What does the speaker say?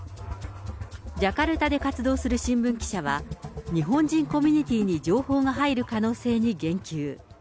ジャカルタで活動する新聞記者は、日本人コミュニティーに情報が入る可能性に言及。